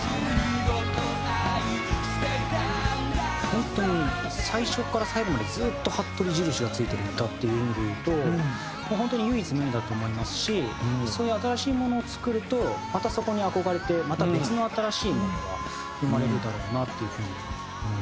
本当に最初から最後までずっとはっとり印がついてる歌っていう意味でいうと本当に唯一無二だと思いますしそういう新しいものを作るとまたそこに憧れてまた別の新しいものが生まれるだろうなっていう風に思いますね。